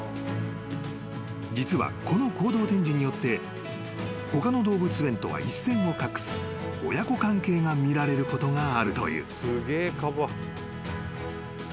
［実はこの行動展示によって他の動物園とは一線を画す親子関係が見られることがあるという］